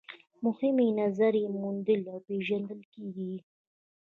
مهمې نظریې موډل او پیژندل کیږي.